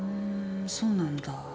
そうなんだ。